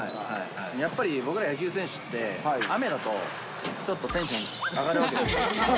やっぱり、僕ら野球選手って、雨だと、ちょっとテンション上がるわけです。